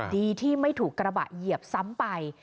ดีที่ไม่ถูกกระบะเหยียบซ้ำไป